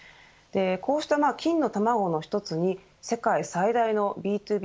こうした金の卵の１つに世界最大のＢ２Ｂ